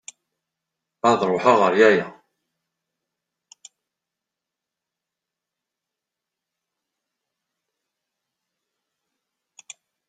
Ad ṛuḥeɣ ɣer yaya.